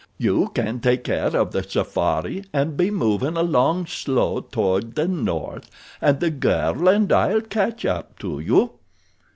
You can take care of the safari and be movin' along slow toward the north and the girl and I'll catch up to you."